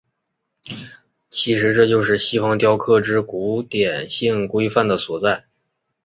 其实这就是西方雕刻之古典性规范的所在。